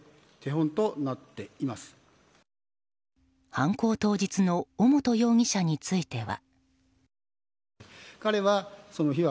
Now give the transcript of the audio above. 犯行当日の尾本容疑者については。